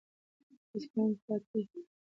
د اصفهان فاتح یو تاریخي او عشقي ناول دی.